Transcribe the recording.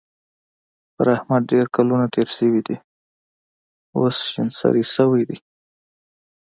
پر احمد ډېر کلونه تېر شوي دي؛ اوس شين سری شوی دی.